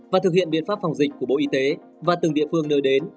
và thực hiện biện pháp phòng dịch của bộ y tế và từng địa phương nơi đến